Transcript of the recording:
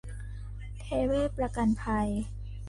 เทเวศน์ประกันภัย